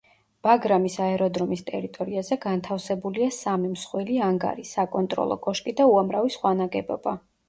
ბაგრამის აეროდრომის ტერიტორიაზე განთავსებულია სამი მსხვილი ანგარი, საკონტროლო კოშკი და უამრავი სხვა ნაგებობა.